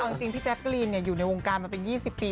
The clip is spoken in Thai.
เอาจริงพี่แจ๊กกะลีนอยู่ในวงการมาเป็น๒๐ปี